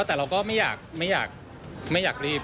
แต่เราก็ไม่อยากรีบ